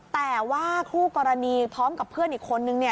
แต่ว่าคู่กรณีพร้อมกับเพื่อนอีกคนนึง